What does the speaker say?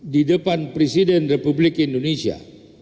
di depan presiden republik indonesia